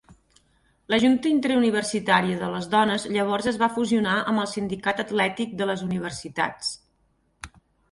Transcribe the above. La Junta interuniversitària de les dones llavors es va fusionar amb el Sindicat Atlètic de les Universitats.